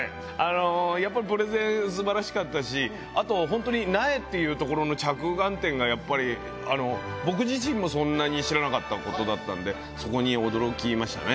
やっぱプレゼンすばらしかったしあとホントに苗っていうところの着眼点が僕自身もそんなに知らなかったことだったんでそこに驚きましたね。